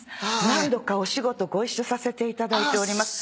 何度かお仕事ご一緒させていただいております。